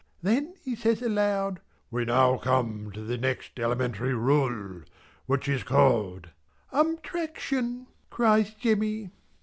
Then he says aloud, "We now come to the next elementary rule, which is called " "Umtraction!" cries Jemmy.